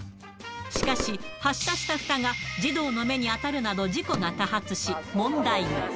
しかし、発射したふたが児童の目に当たるなど、事故が多発し、問題に。